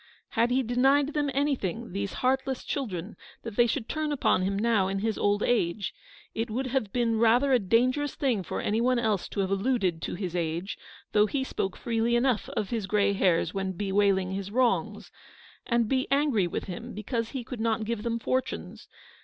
Had he denied them anything, these heartless children, that they should turn upon him now in his old age — it would have been rather a dangerous thing for anyone else to have alluded to his age, though he spoke freely enough of his grey hairs when bewailing his wrongs — and be angry with him, because he could not give them fortunes